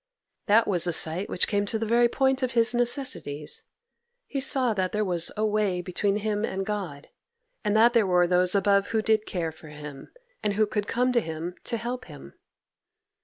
That was a sight which came to the very point of his necessities; he saw that there was a way between him and God, and that there were those above who did care for him, and who could come to him to help him.